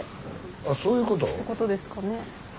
あそういうこと？ということですかね。